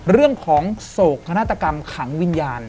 เรื่องของโศกนาฏกรรมขังวิญญาณ